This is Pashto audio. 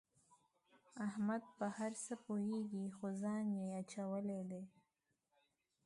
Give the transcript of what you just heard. احمد په هر څه پوهېږي خو ځان یې اچولی دی.